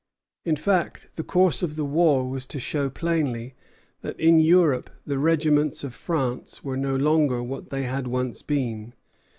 In fact the course of the war was to show plainly that in Europe the regiments of France were no longer what they had once been.